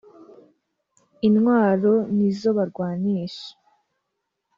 intwaro nizobarwanisha.